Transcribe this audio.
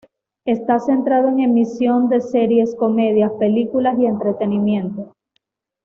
Está centrado en emisión de series, comedia, películas y entretenimiento.